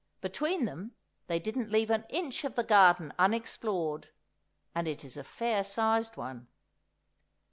Between them they didn't leave an inch of the garden unexplored, and it is a fair sized one.